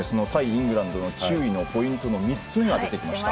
イングランドの注意のポイントの３つ目が出てきました。